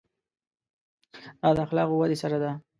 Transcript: دا د اخلاقو ودې سره ده.